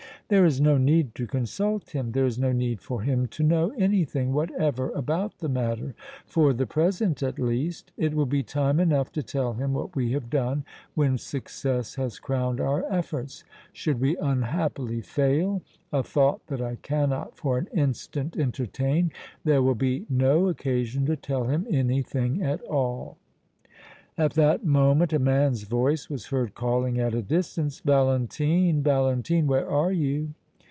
"There is no need to consult him, there is no need for him to know anything whatever about the matter, for the present at least. It will be time enough to tell him what we have done when success has crowned our efforts. Should we unhappily fail, a thought that I cannot for an instant entertain, there will be no occasion to tell him anything at all." At that moment a man's voice was heard calling at a distance: "Valentine, Valentine, where are you?"